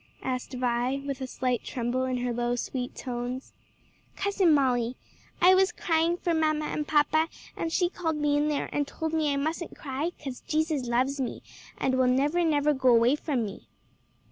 asked Vi, with a slight tremble in her low sweet tones. "Cousin Molly. I was crying for mamma and papa and she called me in there and told me I mustn't cry, 'cause Jesus loves me and will never, never go away from me."